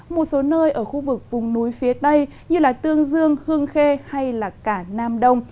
một số nơi ở khu vực vùng núi phía tây như tương dương hương khê hay là cả nam đông